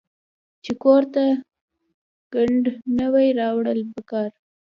چې کور ته ګند نۀ دي راوړل پکار